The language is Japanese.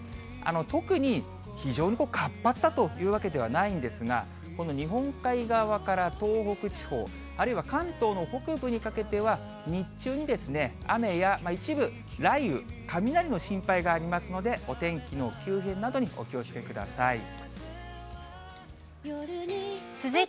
特に、非常に活発だというわけではないんですが、日本海側から東北地方、あるいは関東の北部にかけては、日中に雨や一部雷雨、雷の心配がありますので、お天気の急変などにお気をつけください。